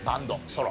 ソロ？